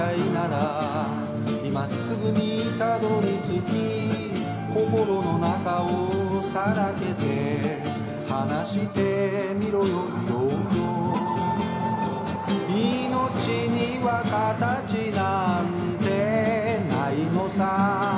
「今すぐにたどりつき」「心の中をさらけて」「話してみろよ漂々」「命には形なんてないのさ」